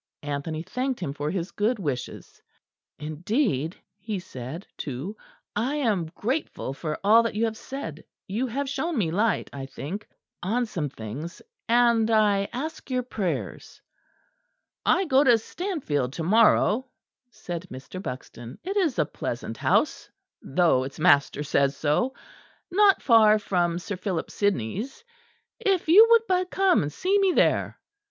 Anthony thanked him for his good wishes. "Indeed," he said, too, "I am grateful for all that you have said. You have shown me light, I think, on some things, and I ask your prayers." "I go to Stanfield to morrow," said Mr. Buxton; "it is a pleasant house, though its master says so, not far from Sir Philip Sidney's: if you would but come and see me there!"